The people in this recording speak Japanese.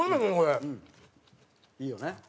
いいよね。